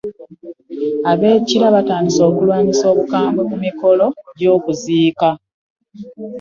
Ab'e Kira batandise okulwanyisa Omukambwe ku mikolo gy'okuziika.